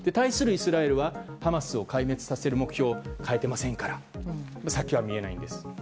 イスラエルはハマスを壊滅させる目標を変えていませんから先は見えないんです。